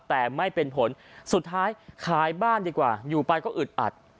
แต่ไม่เป็นผลสุดท้ายขายบ้านดีกว่าอยู่ไปก็อึดอัด